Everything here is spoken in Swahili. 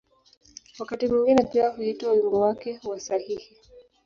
Wakati mwingine pia huitwa ‘’wimbo wake wa sahihi’’.